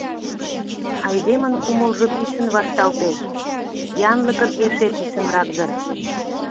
Айдемын кумылжо писын вашталтеш, янлыкын эше писынрак дыр.